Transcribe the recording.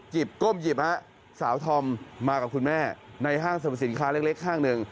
ก้มหยิบฮะสาวธอมมากับคุณแม่ในห้างสรรพสินค้าเล็กห้างหนึ่ง